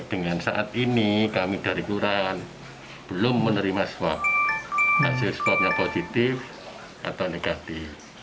hasil swabnya positif atau negatif